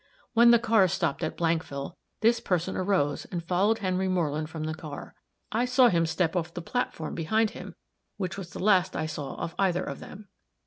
"When the cars stopped at Blankville, this person arose and followed Henry Moreland from the car. I saw him step off the platform behind him, which was the last I saw of either of them."